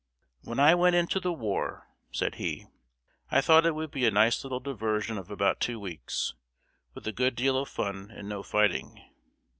"When I went into the war," said he, "I thought it would be a nice little diversion of about two weeks, with a good deal of fun and no fighting.